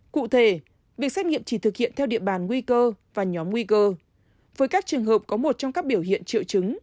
cụ thể việc xét nghiệm chỉ thực hiện theo địa bàn nguy cơ và nhóm nguy cơ với các trường hợp có một trong các biểu hiện triệu chứng